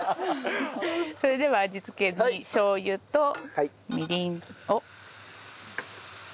それでは味付けにしょう油とみりんを加えて。